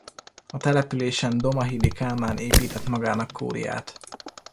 A településen Domahidy Kálmán épített magának kúriát.